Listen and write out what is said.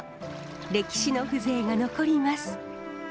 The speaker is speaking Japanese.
歴史の風情が残ります。